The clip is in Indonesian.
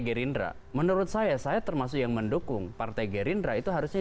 gerindra menurut saya saya termasuk yang mendukung partai gerindra itu harusnya